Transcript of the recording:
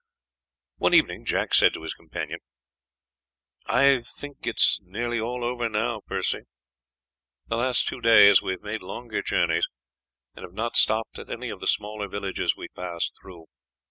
One evening Jack said to his companion, "I think it's nearly all over now, Percy. The last two days we have made longer journeys, and have not stopped at any of the smaller villages we passed through.